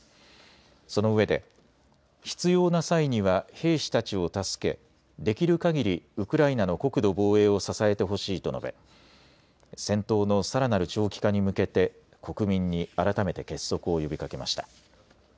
そのうえで必要な際には兵士たちを助け、できるかぎりウクライナの国土防衛を支えてほしいと述べ戦闘のさらなる長期化に向けて国民に改めて結束を呼びかけました。